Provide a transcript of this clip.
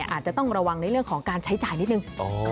อาจจะต้องระวังในเรื่องของการใช้จ่ายนิดนึง